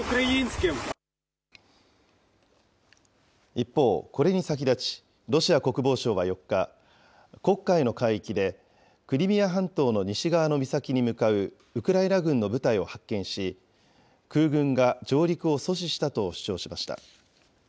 一方、これに先立ち、ロシア国防省は４日、黒海の海域で、クリミア半島の西側の岬に向かうウクライナ軍の部隊を発見し、空軍が上陸を阻止したと主張しました。